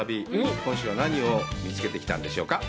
今週は何を見つけてきたんでしょうか。